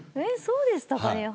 そうでしたかね。